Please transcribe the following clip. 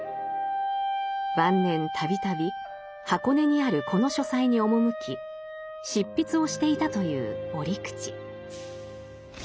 晩年度々箱根にあるこの書斎に赴き執筆をしていたという折口。